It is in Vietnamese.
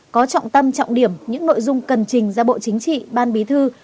có trọng tâm trọng điểm những nội dung cần trình ra bộ chính trị ban bí thư